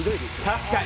確かに。